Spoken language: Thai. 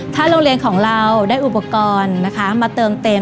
ถ้าโรงเรียนของเราได้อุปกรณ์นะคะมาเติมเต็ม